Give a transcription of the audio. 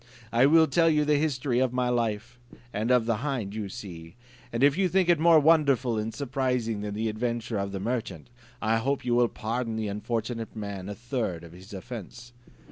I will tell you the history of my life, and of the hind you see; and if you think it more wonderful and surprising than the adventure of the merchant, I hope you will pardon the unfortunate man a third of his offence."